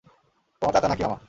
তোমার চাচা নাকি মামা?